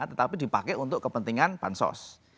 tetapi dipakai untuk kepentingan bansos